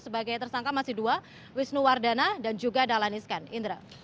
sebagai tersangka masih dua wisnu wardana dan juga dahlan iskan indra